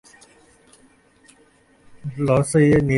পুরুষ স্বভাবত সুখ ও আনন্দ-স্বরূপ।